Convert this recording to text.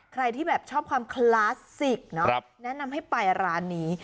ใครที่แบบชอบความคลาสสิกเนอะแนะนำให้ไปร้านนี้